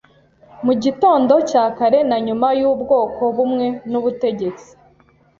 Mu gitondo cya kare na nyuma yubwoko bumwe nubutegetsi